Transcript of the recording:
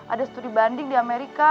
ada studi banding di amerika